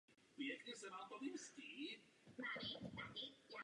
O dva roky později byla dokončena i věž.